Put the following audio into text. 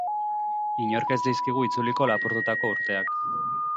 Inork ez dizkigu itzuliko lapurtutako urteak.